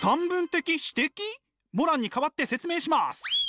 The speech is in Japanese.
モランに代わって説明します。